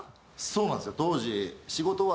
そうなんですよ。